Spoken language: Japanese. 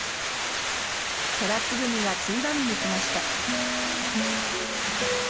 トラツグミがついばみに来ました。